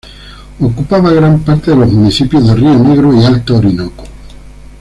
Ocupa gran parte de los municipios de Río Negro y Alto Orinoco.